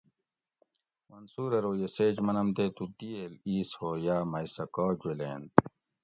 منصور ارو یہ سیچ منم تے تو دیئل ایس ھو یا مئ سہ کا جولینت